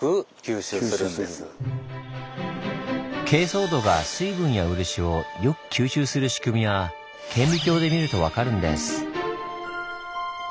珪藻土が水分や漆をよく吸収する仕組みは顕微鏡で見るとわかるんです。